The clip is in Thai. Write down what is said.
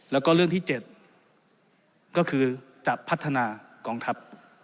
แล้วก็เรื่องที่๗ก็คือจะพัฒนากองทัพ